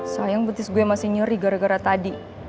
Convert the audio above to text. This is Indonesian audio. sayang petis gue masih nyeri gara gara tadi